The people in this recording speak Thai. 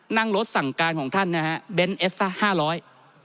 นั่งรถสั่งการของท่านนะฮะเบนทเอสซะห้าร้อย